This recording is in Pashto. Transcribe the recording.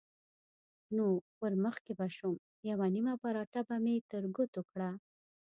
نو ورمخکې به شوم، یوه نیمه پراټه به مې تر ګوتو کړه.